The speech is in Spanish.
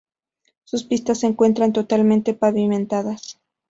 Sus pistas se encuentran totalmente pavimentadas.